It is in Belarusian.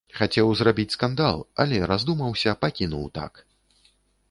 Хацеў зрабіць скандал, але раздумаўся, пакінуў так.